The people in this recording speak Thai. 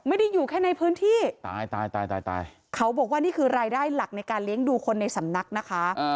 ไม่ได้อยู่แค่ในพื้นที่ตายตายตายตายเขาบอกว่านี่คือรายได้หลักในการเลี้ยงดูคนในสำนักนะคะ